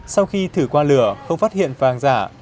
sau khi thử qua lửa không phát hiện vàng giả